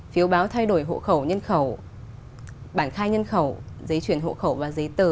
phiếu báo thay đổi hộ khẩu nhân khẩu bản khai nhân khẩu giấy chuyển hộ khẩu và giấy tờ